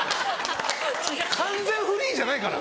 完全フリーじゃないから。